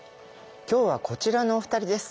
今日はこちらのお二人です。